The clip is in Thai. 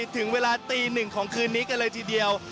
ถึงเวลาตีหนึ่งของคืนนี้กันเลยทีเดียว